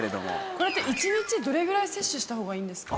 これって１日どれぐらい摂取した方がいいんですか？